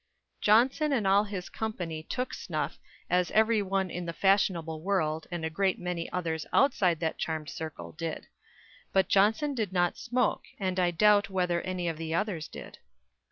_ Johnson and all his company took snuff, as every one in the fashionable world, and a great many others outside that charmed circle, did; but Johnson did not smoke, and I doubt whether any of the others did.